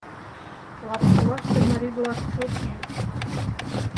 Лапсолаште марий-влак чот йӱыт.